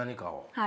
はい。